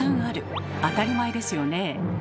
当たり前ですよねえ。